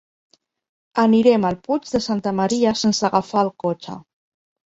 Anirem al Puig de Santa Maria sense agafar el cotxe.